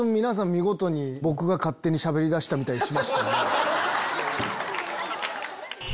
見事に僕が勝手にしゃべりだしたみたいにしましたよね。